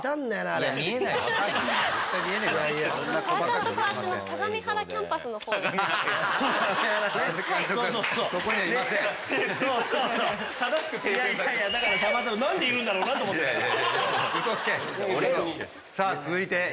だから何でいるんだろうな？と思って。